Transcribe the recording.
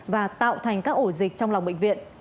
và tạo thành các ổ dịch trong lòng bệnh viện